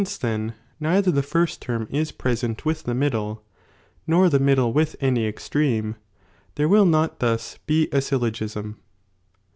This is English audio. Hit first term is present with the middle, nor the ™'' middle with any extreme, there will not thus be a syllogism.